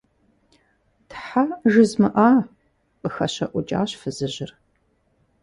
– Тхьэ, жызмыӀа! – къыхэщэӀукӀащ фызыжьыр.